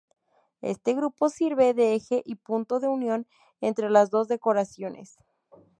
Este grupo sirve de eje y punto de unión entre las dos decoraciones.